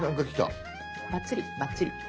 バッチリバッチリ。